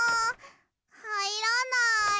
はいらない。